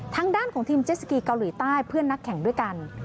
ทางด้านของทีมเจสสกีเกาหลีใต้เพื่อนนักแข่งด้วยกัน